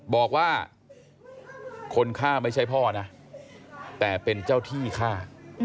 บอกว่าคนฆ่าไม่ใช่พ่อนะแต่เป็นเจ้าที่ฆ่า